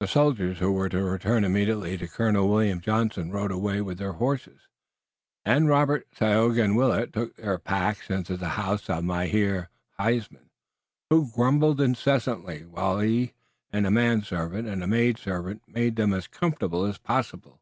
The soldiers, who were to return immediately to Colonel William Johnson, rode away with their horses, and Robert, Tayoga and Willet took their packs into the house of Mynheer Huysman, who grumbled incessantly while he and a manservant and a maidservant made them as comfortable as possible.